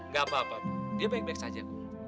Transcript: gak apa apa bu dia baik baik saja